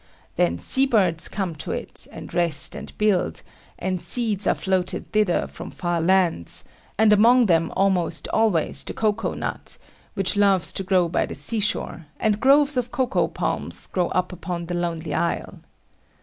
Then sea birds come to it, and rest and build; and seeds are floated thither from far lands; and among them almost always the cocoa nut, which loves to grow by the sea shore, and groves of cocoa palms grow up upon the lonely isle.